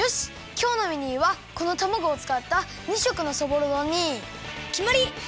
きょうのメニューはこのたまごをつかった２色のそぼろ丼にきまり！